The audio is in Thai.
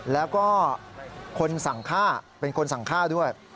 แล้วก็เป็นคนสั่งค่าด้วย